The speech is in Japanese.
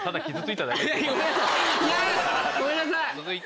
いやごめんなさい。